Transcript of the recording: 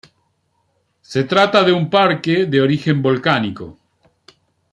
Se trata de un parque de origen volcánico.